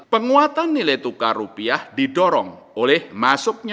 penguatan nilai tukar rupiah didorong oleh masuknya